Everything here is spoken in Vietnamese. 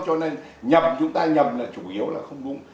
cho nên nhầm chúng ta nhầm là chủ yếu là không đúng